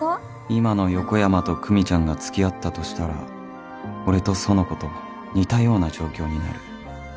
今の横山と久美ちゃんが付き合ったとしたら俺と苑子と似たような状況になる